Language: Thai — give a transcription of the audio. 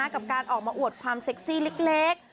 กับการออกมาอวดความเซ็กซี่เล็ก